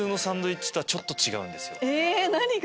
え何が？